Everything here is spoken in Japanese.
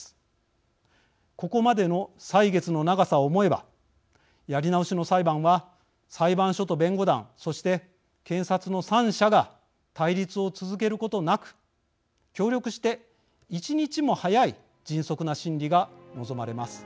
ここまでの歳月の長さを思えばやり直しの裁判は裁判所と弁護団そして検察の３者が対立を続けることなく協力して一日も早い迅速な審理が望まれます。